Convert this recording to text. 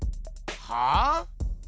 はあ？